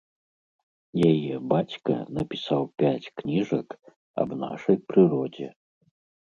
Яе бацька напісаў пяць кніжак аб нашай прыродзе.